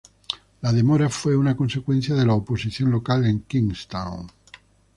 La demora fue una consecuencia de la oposición local en Kingstown.